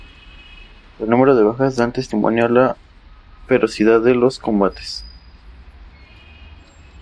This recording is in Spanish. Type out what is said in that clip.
El número de bajas dan testimonio de la ferocidad de los combates.